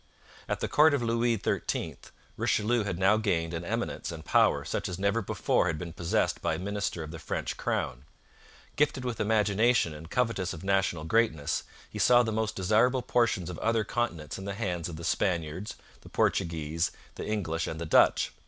At the court of Louis XIII Richelieu had now gained an eminence and power such as never before had been possessed by a minister of the French crown. Gifted with imagination and covetous of national greatness, he saw the most desirable portions of other continents in the hands of the Spaniards, the Portuguese, the English, and the Dutch.